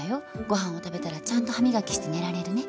ご飯を食べたらちゃんと歯磨きして寝られるね？